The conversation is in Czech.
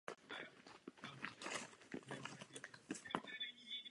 Chtěl se ale vrátit do Čech.